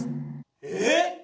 えっ！？